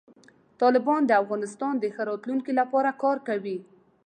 طالبان د افغانستان د ښه راتلونکي لپاره کار کوي.